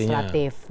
ya pertama kalinya